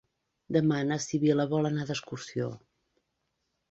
Demà na Sibil·la vol anar d'excursió.